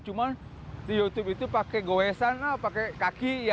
cuman di youtube itu pakai goesan pakai kaki